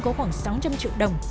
có khoảng sáu trăm linh triệu đồng